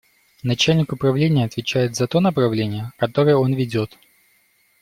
Начальник управления отвечает за то направление, которое он ведет.